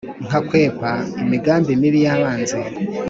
nkakwepa imigambi mibi yabanzi